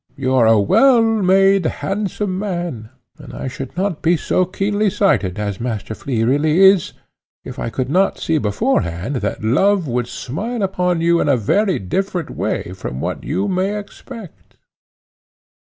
You are a well made, handsome man, and I should not be so keen sighted, as Master Flea really is, if I could not see beforehand that love would smile upon you in a very different way from what you may expect."